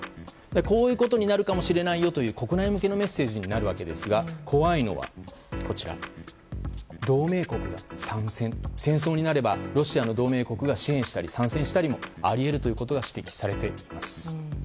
こういうことになるかもしれないよという国内向けのメッセージになるわけですが怖いのは、同盟国が参戦？と戦争になればロシアの同盟国が支援したり、参戦したりもあり得るということが指摘されています。